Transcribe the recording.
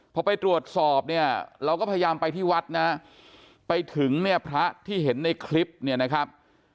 พอไปตรวจสอบเนี่ยเราก็พยายามไปที่วัดนะไปถึงเนี่ยพระที่เห็นในคลิปเนี่ยนะครับ